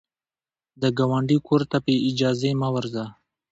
د ګاونډي کور ته بې اجازې مه ورځه